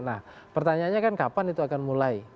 nah pertanyaannya kan kapan itu akan mulai